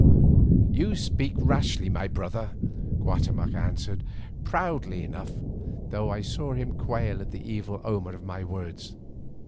"You speak rashly, my brother," Guatemoc answered, proudly enough, though I saw him quail at the evil omen of my words.